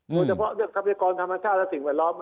โดยเฉพาะเรื่องทรัพยากรธรรมชาติและสิ่งแวดล้อม